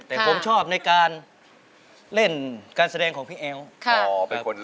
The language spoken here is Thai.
แต่ผมชอบในการเล่นการแสดงของพี่แอ๋ว